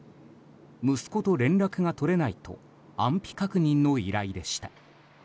息子と連絡が取れないと安否確認の依頼でした。